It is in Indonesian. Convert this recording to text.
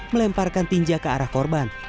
melemparkan tinja ke arah korban